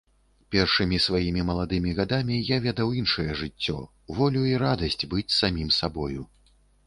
Першымі сваімі маладымі гадамі я ведаў іншае жыццё, волю і радасць быць самім сабою.